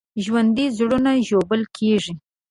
ژوندي زړونه ژوبل کېږي